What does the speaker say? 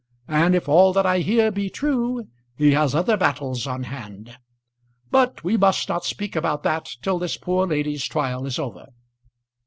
And if all that I hear be true, he has other battles on hand. But we must not speak about that till this poor lady's trial is over."